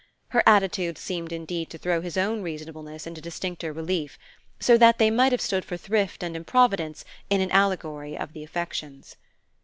Her attitude seemed indeed to throw his own reasonableness into distincter relief: so that they might have stood for thrift and improvidence in an allegory of the affections.